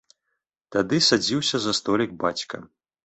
Тады садзіўся за столік бацька.